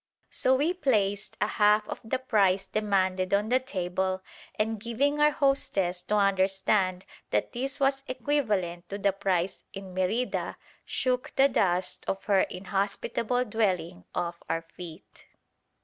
So we placed a half of the price demanded on the table, and giving our hostess to understand that this was equivalent to the price in Merida, shook the dust of her inhospitable dwelling off our feet.